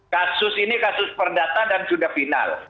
kasus ini kasus perdata dan sudah final